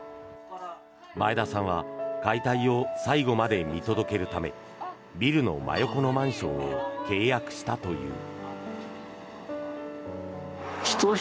前田さんは解体を最後まで見届けるためビルの真横のマンションを契約したという。